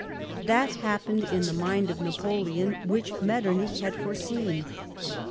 That happened in the mind of Napoleon which Metternich had foreseen.